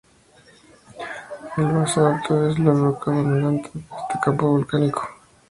El basalto es la roca dominante de este campo volcánico.